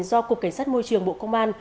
do cục cảnh sát môi trường bộ công an